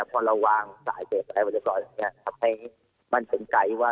พอเราวางสายเจ็บไฟวันจับก่อนจะทำให้มันเป็นไก้ว่า